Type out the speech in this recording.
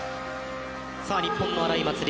日本の荒井祭里